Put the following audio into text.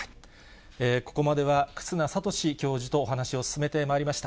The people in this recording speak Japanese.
ここまでは忽那賢志教授とお話しを進めてまいりました。